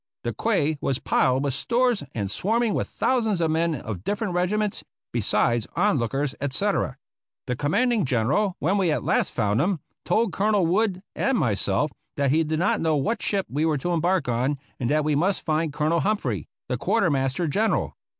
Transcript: The quay was piled with stores and swarming with thousands of men of different regiments, besides onlookers, etc. The com manding General, when we at last found him, told Col onel Wood and myself that he did not know what ship we were to embark on, and that we must find Colonel Humphrey, the Quartermaster General.